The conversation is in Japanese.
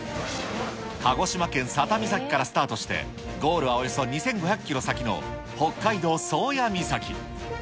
鹿児島県佐多岬からスタートして、ゴールはおよそ２５００キロ先の北海道宗谷岬。